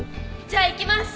じゃあいきます！